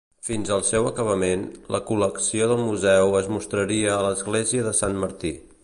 Fins al seu acabament, la col·lecció del museu es mostraria a l'església de Sant Martí.